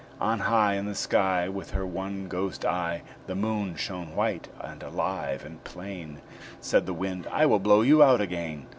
On high In the sky, With her one ghost eye, The Moon shone white and alive and plain. Said the Wind, "I will blow you out again."